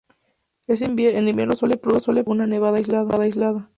En invierno suele producirse alguna nevada aislada.